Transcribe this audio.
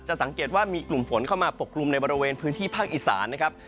สังเกตว่ามีกลุ่มฝนเข้ามาปกกลุ่มในบริเวณพื้นที่ภาคอีสานนะครับ